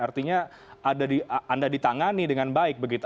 artinya anda ditangani dengan baik begitu